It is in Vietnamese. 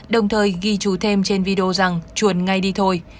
đồng thời ghi chù thêm trên video rằng chuồn ngay đi thôi